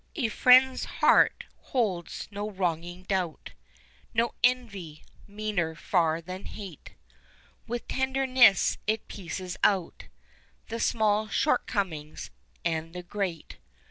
A friend's heart holds no wronging doubt, No envy meaner far than hate With tenderness it pieces out The small shortcomings, and the great.